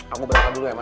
aku berangkat dulu ya ma